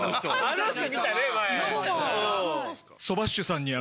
あの人見たね前。